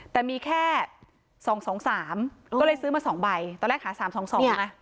แต่มีแค่๒๒๓ก็เลยซื้อมา๒ใบตอนแรกหา๓๒๒ใช่ไหม